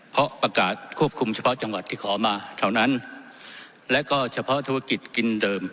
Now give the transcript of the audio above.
เพราะประกาศควบคุมเฉพาะจังหวัดที่ขอมาเท่านั้นและก็เฉพาะธุรกิจกินเดิม